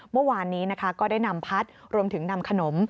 เมื่อวานนี้นะคะก็ได้นำพัดรวมถึงนำขนม